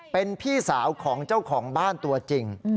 เป็นพี่สาวของเจ้าของบ้านตัวจริง